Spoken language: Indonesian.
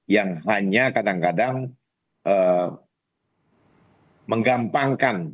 yang hanya kadang kadang menggampangkan